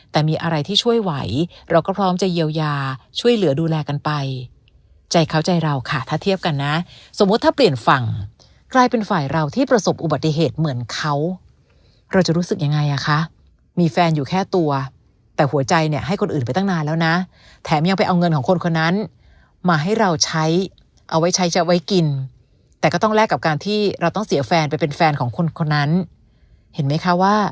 แต่มีอะไรที่ช่วยไหวเราก็พร้อมจะเยียวยาช่วยเหลือดูแลกันไปใจเขาใจเราค่ะถ้าเทียบกันนะสมมุติถ้าเปลี่ยนฝั่งกลายเป็นฝ่ายเราที่ประสบอุบัติเหตุเหมือนเขาเราจะรู้สึกยังไงอ่ะคะมีแฟนอยู่แค่ตัวแต่หัวใจเนี่ยให้คนอื่นไปตั้งนานแล้วนะแถมยังไปเอาเงินของคนคนนั้นมาให้เราใช้เอาไว้ใช้จะไว้กินแต่ก็ต้องแลกกับการที่เราต้องเสียแฟนไปเป็นแฟนของคนคนนั้นเห็นไหมคะว่า